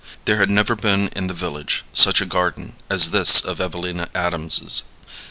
There had never been in the village such a garden as this of Evelina Adams's.